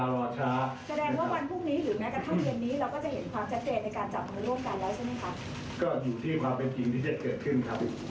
ความชัดเตรียมที่การพูดกันทั้งทุกหมดของพักฝ่ายประชาชนิดใดจะเกิดขึ้นได้เวลาไหมครับ